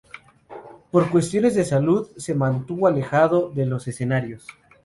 Por cuestiones de salud, se mantuvo alejado de los escenarios.